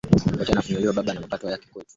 yote yanatufunulia Baba na matakwa yake kwetu